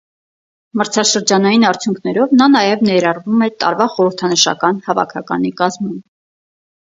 Մրցաշրջանային արդյունքներով նա նաև ներառվում է տարվա խորհրդանշական հավաքականի կազմում։